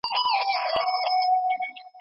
پروت که پر ساحل یم که په غېږ کي د توپان یمه